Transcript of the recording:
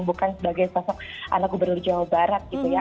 bukan sebagai sosok anak gubernur jawa barat gitu ya